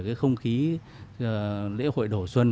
cái không khí lễ hội đổ xuân